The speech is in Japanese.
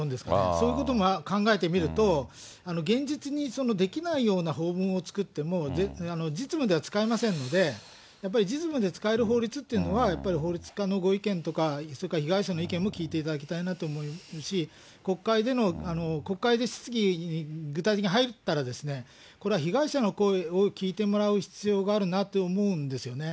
そういうことも考えてみると、現実にできないようなを作っても、実務では使えませんので、やっぱり実務で使える法律というのは、やっぱり法律家のご意見とか、それから被害者の意見とかも聞いていただきたいなと思いますし、国会での、国会で質疑、具体的に入ったら、これは被害者の声を聞いてもらう必要があるなと思うんですよね。